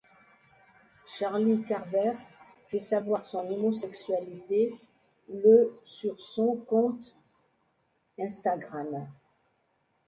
Charlie Carver fait savoir son homosexualité le sur son compte Instagram.